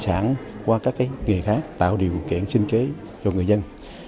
không có đời sống qua các nghề khác tạo điều kiện sinh chế cho người dân